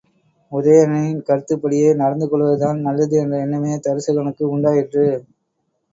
உதயணனின் கருத்துப்படியே நடந்து கொள்வதுதான் நல்லது என்ற எண்ணமே தருசகனுக்கும் உண்டாயிற்று.